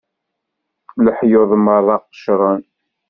Leḥyuḍ merra qecren.